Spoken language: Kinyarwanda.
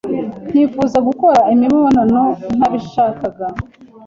nkifuza gukora imibonano ntabishakaga